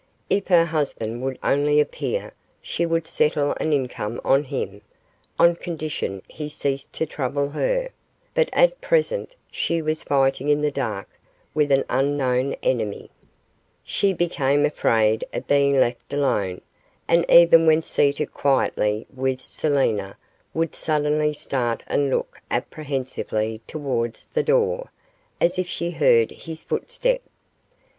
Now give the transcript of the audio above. If her husband would only appear, she would settle an income on him, on condition he ceased to trouble her, but at present she was fighting in the dark with an unknown enemy. She became afraid of being left alone, and even when seated quietly with Selina, would suddenly start and look apprehensively towards the door, as if she heard his footstep.